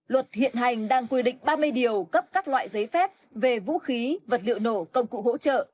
luật hiện hành đang quy định ba mươi điều cấp các loại giấy phép về vũ khí vật liệu nổ công cụ hỗ trợ